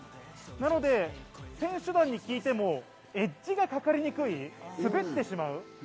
なので選手団に聞いてもエッジがかかりにくい、滑ってしまう。